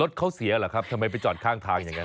รถเขาเสียเหรอครับทำไมไปจอดข้างทางอย่างนั้น